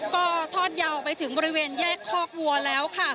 ก็ทอดยาวไปถึงบริเวณแยกคอกวัวแล้วค่ะ